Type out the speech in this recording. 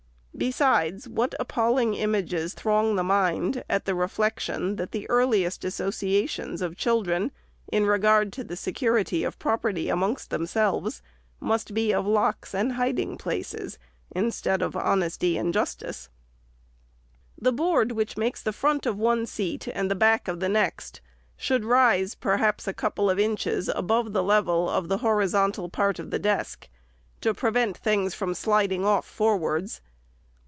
Besides, what appalling images throng the mind, at the reflection, that the earliest associations of children in regard to the security of property amongst themselves, must be of locks and hiding places, instead of honesty and justice ! The 456 REPORT OF THE SECRETARY board which makes the front of one seat and the back of the next should rise, perhaps a couple of inches, above the level of the horizontal part of the desk, to prevent things from sliding off forwards.